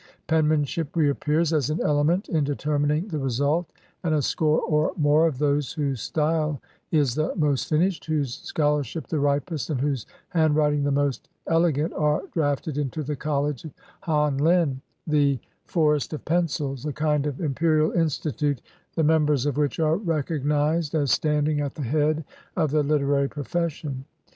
Penmanship reappears as an element in determining the result, and a score or more of those whose style is the most finished, whose scholarship the ripest, and whose handwriting the most elegant, are drafted into the college of Han lin, the " forest of pencils," a kind of Imperial Institute the mem bers of which are recognized as standing at the head of the literary profession.